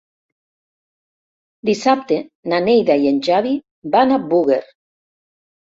Dissabte na Neida i en Xavi van a Búger.